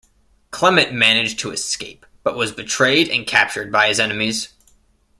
Clement managed to escape, but was betrayed and captured by his enemies.